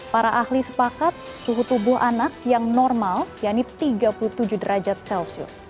para ahli sepakat suhu tubuh anak yang normal yaitu tiga puluh tujuh derajat celcius